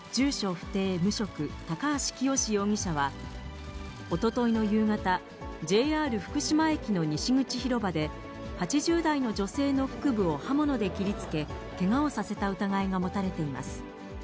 不定無職、高橋清容疑者は、おとといの夕方、ＪＲ福島駅の西口広場で、８０代の女性の腹部を刃物で切りつけ、けがをさせた疑いが持たれています。